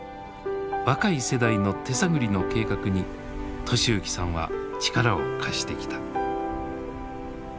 若い世代の手探りの計画に利幸さんは力を貸してきた。